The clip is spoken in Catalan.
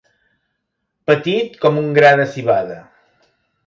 Petit com un gra de civada.